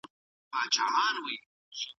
تاسي تل د خپلي روغتیا پاملرنه کوئ.